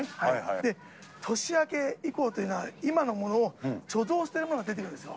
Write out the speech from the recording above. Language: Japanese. で、年明け以降というのは、今のものを貯蔵してるものが出てくるんですよ。